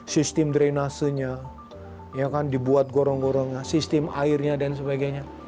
sistem drainasenya dibuat gorong gorongnya sistem airnya dan sebagainya